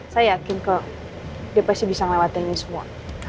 saya yakin kalau dia pasti bisa melewati ini semua